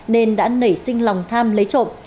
nên đã nảy sinh lòng tham lấy trộm